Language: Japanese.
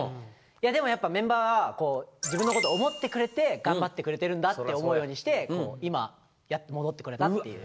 でもメンバーは自分のこと思ってくれて頑張ってくれてるんだって思うようにして今やっと戻ってこれたっていう。